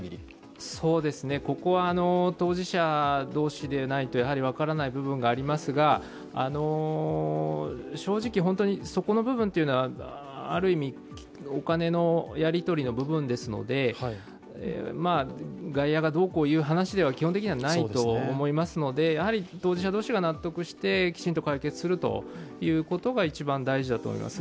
ここは、当事者同士でないと分からない部分がありますが正直そこの部分はある意味、お金のやりとりの部分ですので、外野がどうこう言う話では基本的にないと思いますので当事者同士が納得してきちんと解決することが一番大事だと思います。